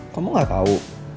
kamu gak tau